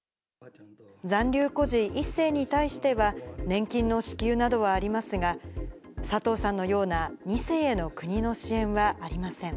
残留孤児１世に対しては、年金の支給などはありますが、佐藤さんのような２世への国の支援はありません。